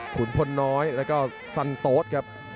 ขุนพลน้อยแล้วก็สันโต๊ดครับ